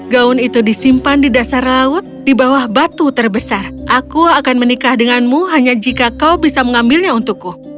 gaun itu disimpan di dasar laut di bawah batu terbesar aku akan menikah denganmu hanya jika kau bisa mengambilnya untukku